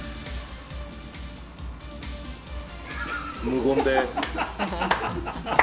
無言で。